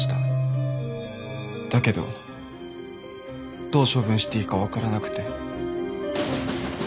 だけどどう処分していいかわからなくて。